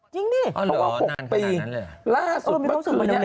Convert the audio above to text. จริงดิเพราะว่า๖ปีล่าสุดเมื่อคืนนี้